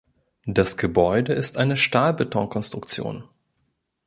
Das Gebäude ist eine Stahlbetonkonstruktion.